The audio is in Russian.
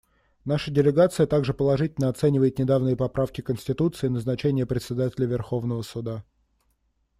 Наша делегация также положительно оценивает недавние поправки к Конституции и назначение Председателя Верховного суда.